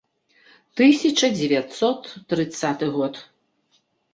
Тысяча дзевяцьсот трыццаты год.